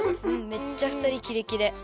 めっちゃふたりキレキレ。